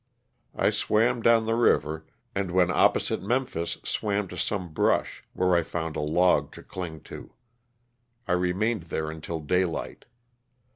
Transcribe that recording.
I swam down the river and when opposite Memphis swam to some brush, where I found a log to cling to. I remained there until daylight.